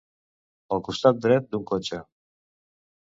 El costat dret d'un cotxe.